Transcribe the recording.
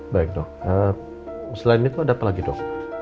baik dok selain itu ada apa lagi dok